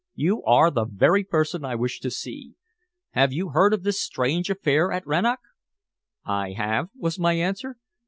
"You are the very person I wish to see. Have you heard of this strange affair at Rannoch?" "I have," was my answer.